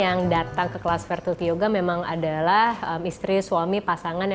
yang datang ke kelas fertilt yoga memang adalah istri suami pasangan